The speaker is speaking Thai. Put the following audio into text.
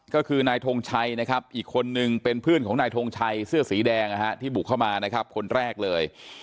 ก็คือนายทงชัยนะครับอีกคนนึงเป็นเพื่อนของนายทงชัยเสื้อสีแดงที่บุกเข้ามานะครับคนแรกเลย